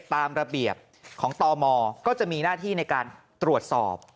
ตามระเบียบของตมก็จะมีหน้าที่ในการตรวจสอบ